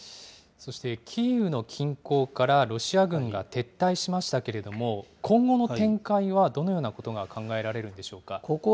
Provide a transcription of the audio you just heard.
そしてキーウの近郊からロシア軍が撤退しましたけれども、今後の展開は、どのようなことが考えられるんでしょうか。